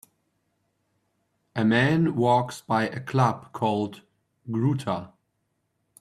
A man walks by a club called ' Gruta '.